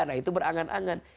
nah itu berangan angan